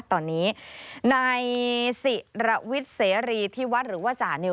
ตอนนี้นายศิรวิทย์เสรีที่วัดหรือว่าจานิว